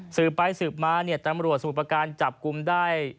สืบไปสืบมาเนี่ยตำรวจสมุทรประการจับกลุ่มได้